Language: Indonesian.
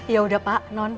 yaudah pak non